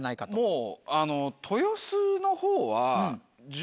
もう。